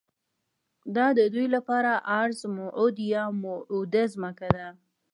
دا ددوی لپاره ارض موعود یا موعوده ځمکه ده.